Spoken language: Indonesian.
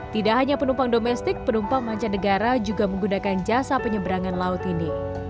tidak hanya penumpang domestik penumpang mancanegara juga menggunakan jasa penyeberangan laut ini